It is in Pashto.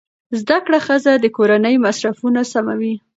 زده کړه ښځه د کورنۍ مصرفونه سموي.